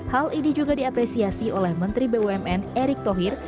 hal ini juga diapresiasi oleh menteri bumn erick thohir